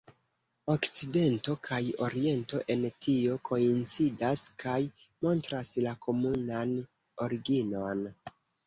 Okcidento kaj Oriento en tio koincidas kaj montras la komunan originon.